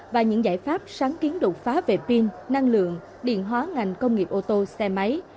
và những giải pháp sáng kiến đột phá về pin năng lượng điện hóa ngành công nghiệp ô tô xe máy